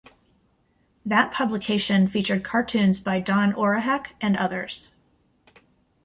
That publication featured cartoons by Don Orehek and others.